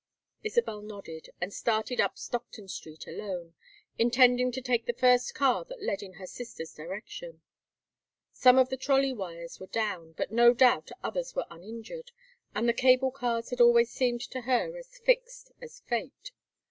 Isabel nodded and started up Stockton Street alone, intending to take the first car that led in her sister's direction. Some of the trolley wires were down, but no doubt others were uninjured, and the cable cars had always seemed to her as fixed as fate.